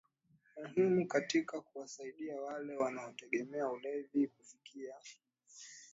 muhimu katika kuwasaidia wale wanaotegemea ulevi kufikia